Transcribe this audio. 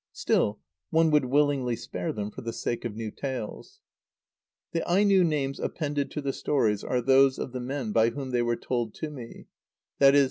Still, one would willingly spare them for the sake of new tales. The Aino names appended to the stories are those of the men by whom they were told to me, viz.